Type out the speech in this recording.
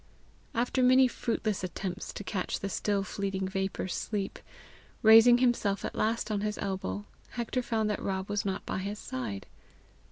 After many fruitless attempts to catch the still fleeting vapour sleep, raising himself at last on his elbow, Hector found that Rob was not by his side.